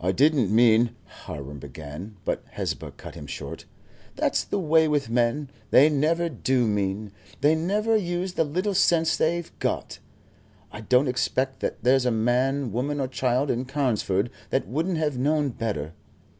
"I didn't mean " Hiram began, but Hesba cut him short. "That's the way with men; they never do mean; they never use the little sense they have got. I don't expect that there's a man, woman, or child in Carnesford that wouldn't have known better.